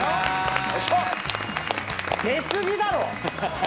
出過ぎだろ！